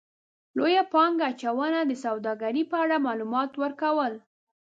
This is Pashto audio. -لویو پانګه اچونکو ته د سوداګرۍ په اړه مالومات ورکو ل